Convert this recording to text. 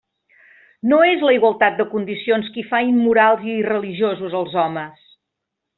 No és la igualtat de condicions qui fa immorals i irreligiosos els homes.